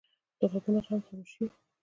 د غوږونو غم خاموش وي